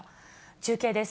中継です。